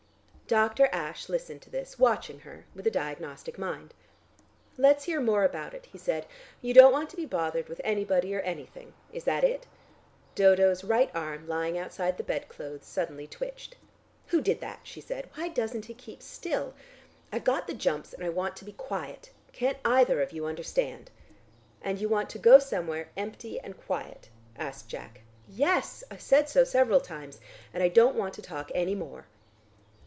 Dr. Ashe listened to this, watching her, with a diagnostic mind. "Let's hear more about it," he said. "You don't want to be bothered with anybody or anything. Is that it?" Dodo's right arm lying outside the bedclothes suddenly twitched. "Who did that?" she said. "Why doesn't it keep still? I've got the jumps, and I want to be quiet. Can't either of you understand?" "And you want to go somewhere empty and quiet?" asked Jack. "Yes, I've said so several times. And I don't want to talk any more."